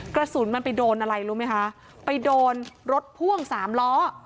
กระสุนมันไปโดนอะไรรู้ไหมคะไปโดนรถพ่วงสามล้อ